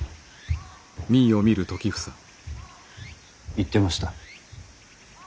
言ってました。